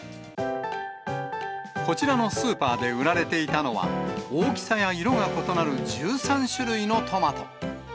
こちらのスーパーで売られていたのは、大きさや色が異なる１３種類のトマト。